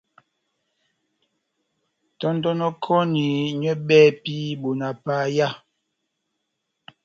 Tɔndonokɔni nywɛ bɛhɛpi bona paya.